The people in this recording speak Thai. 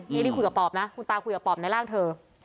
นี่ได้คุยกับปอบนะคุณตาคุยกับปอบในร่างเธอ